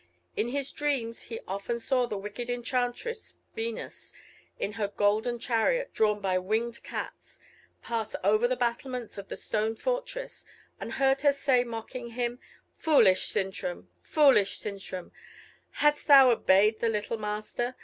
In his dreams he often saw the wicked enchantress Venus, in her golden chariot drawn by winged cats, pass over the battlements of the stone fortress, and heard her say, mocking him, "Foolish Sintram, foolish Sintram! hadst thou but obeyed the little Master!